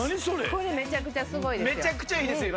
めちゃくちゃすごいですよ。